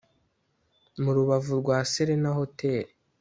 mu rubavu rwa Serena Hotel